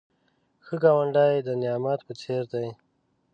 ښه ګاونډی د نعمت په څېر دی